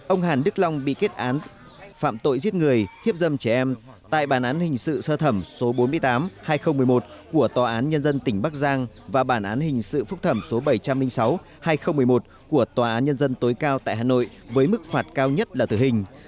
ông hàn đức long bị kết án phạm tội giết người hiếp dâm trẻ em tại bản án hình sự sơ thẩm số bốn mươi tám hai nghìn một mươi một của tòa án nhân dân tỉnh bắc giang và bản án hình sự phúc thẩm số bảy trăm linh sáu hai nghìn một mươi một của tòa án nhân dân tối cao tại hà nội với mức phạt cao nhất là tử hình